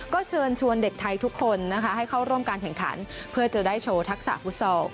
ก็เชิญชวนเด็กไทยทุกคนนะคะให้เข้าร่วมการแข่งขันเพื่อจะได้โชว์ทักษะฟุตซอล